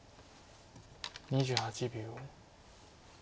２８秒。